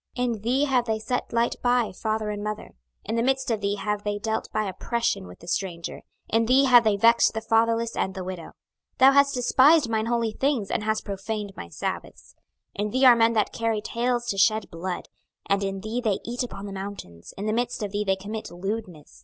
26:022:007 In thee have they set light by father and mother: in the midst of thee have they dealt by oppression with the stranger: in thee have they vexed the fatherless and the widow. 26:022:008 Thou hast despised mine holy things, and hast profaned my sabbaths. 26:022:009 In thee are men that carry tales to shed blood: and in thee they eat upon the mountains: in the midst of thee they commit lewdness.